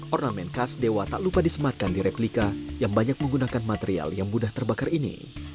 ornamen khas dewa tak lupa disematkan di replika yang banyak menggunakan material yang mudah terbakar ini